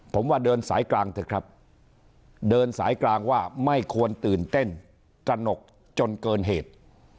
ผมว่าเดินสายกลางเถอะครับเดินสายกลางว่าไม่ควรตื่นเต้นตระหนกจนเกินเหตุ